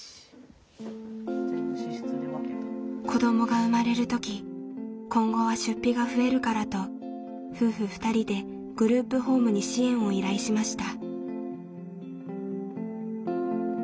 子どもが生まれる時今後は出費が増えるからと夫婦２人でグループホームに支援を依頼しました。